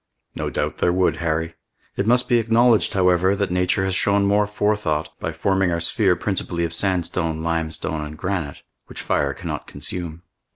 "No doubt there would, Harry; it must be acknowledged, however, that nature has shown more forethought by forming our sphere principally of sandstone, limestone, and granite, which fire cannot consume."